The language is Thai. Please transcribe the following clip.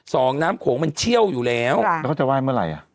สองน้ำโขงมันเชี่ยวอยู่แล้วแล้วเขาจะไห้เมื่อไหร่อ่ะ